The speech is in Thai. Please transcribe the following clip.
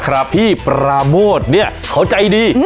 ครับพี่ปราโมทเนี่ยเขาใจดี